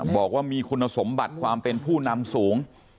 บอกว่ามีคุณสมบัติความเป็นผู้นำสูง